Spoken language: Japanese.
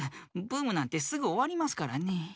ブームなんてすぐおわりますからね。